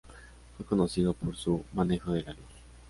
Fue conocido por su manejo de la luz.